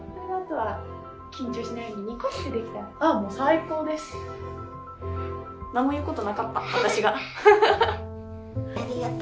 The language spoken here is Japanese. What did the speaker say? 何もいうことなかった私が。